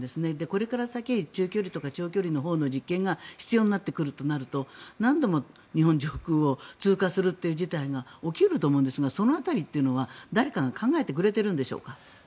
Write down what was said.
これから先中距離、長距離のほうの実験が必要になってくるとなると何度も日本上空を通過するという事態が起きると思うんですがその辺りというのは誰かが考えてくれてるんでしょうか。